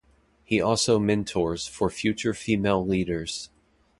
He also mentors for Future Female Leaders.